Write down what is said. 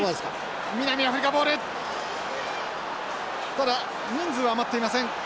ただ人数は余っていません。